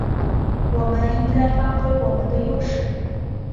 我们应该发挥我们的优势